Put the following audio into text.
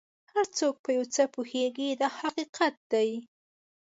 هر څوک په یو څه پوهېږي دا حقیقت دی.